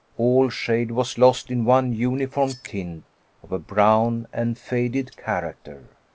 All shade was lost in one uniform tint, of a brown and faded character.